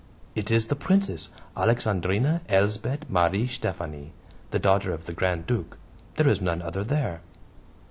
"It is the Princess Alexandrine Elsbeth Marie Stephanie, the daughter of the Grand Duke there is none other there."